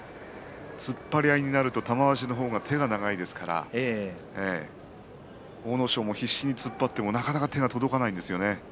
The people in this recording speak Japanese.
突っ張り合いになると玉鷲の方が手が長いですから阿武咲も必死に突っ張ってもなかなか手が届かないんですよね。